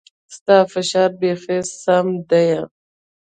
ستا فشار بيخي سم ديه.